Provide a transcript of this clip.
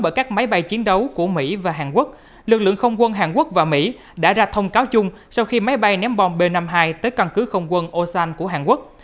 bởi các máy bay chiến đấu của mỹ và hàn quốc lực lượng không quân hàn quốc và mỹ đã ra thông cáo chung sau khi máy bay ném bom b năm mươi hai tới căn cứ không quân osan của hàn quốc